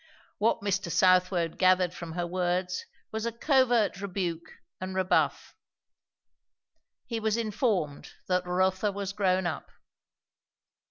What Mr. Southwode gathered from her words was a covert rebuke and rebuff. He was informed that Rotha was grown up.